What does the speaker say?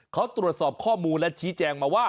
เขาตรวจสอบข้อมูลและชี้แจงมาว่า